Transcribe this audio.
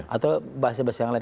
atau bahasa bahasa yang lain